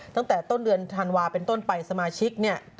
ตั้งแต่ต้นเดือนธันวาเป็นต้นไปสมาชิกเนี่ย